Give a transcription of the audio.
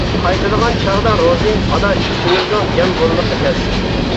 قايتىدىغان چاغدا روزى:-ئاداش، ئۈچىمىزنىڭ جەم بولمىقى تەس.